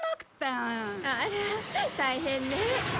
あら大変ね。